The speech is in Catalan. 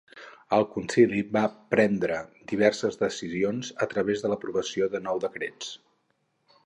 El Concili va prendre diverses decisions a través de l'aprovació de nou decrets.